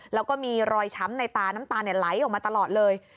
แล้วก็มีรอยช้ำในตาน้ำตาไหลออกมาตลอดเลย